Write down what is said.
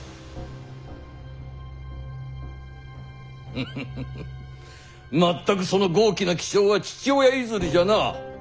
フフフフ全くその剛毅な気性は父親譲りじゃな！